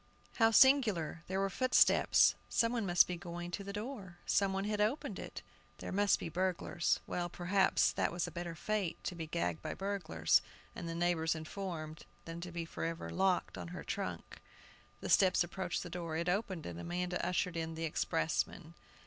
How singular! there were footsteps. Some one was going to the door; some one had opened it. "They must be burglars." Well, perhaps that was a better fate to be gagged by burglars, and the neighbors informed than to be forever locked on her trunk. The steps approached the door. It opened, and Amanda ushered in the expressman.